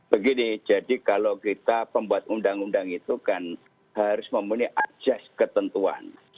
begini jadi kalau kita pembuat undang undang itu kan harus memenuhi ajas ketentuan